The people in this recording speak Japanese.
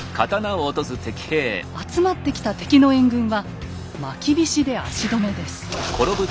集まった敵の援軍はまきびしで足止めです。